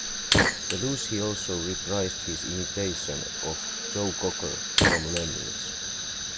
Belushi also reprised his imitation of Joe Cocker from Lemmings.